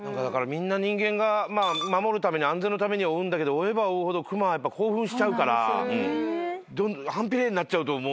人間が守るために安全のために追うんだけど追えば追うほど熊は興奮しちゃうから反比例になっちゃうと思うんですよね。